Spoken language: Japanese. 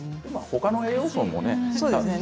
ほかの栄養素もね。